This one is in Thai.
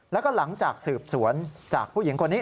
แล้วก็หลังจากสืบสวนจากผู้หญิงคนนี้